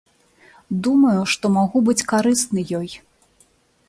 Думаю, што магу быць карысны ёй.